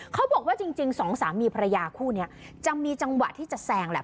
เขาบอกว่าจริงสองสามีภรรยาคู่นี้จะมีจังหวะที่จะแซงแหละ